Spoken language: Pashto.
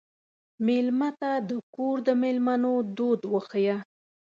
مېلمه ته د کور د مېلمنو دود وښیه.